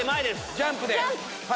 ジャンプ！